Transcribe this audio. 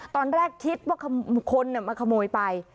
ตอนแรกคิดว่าคนมาขโมยไป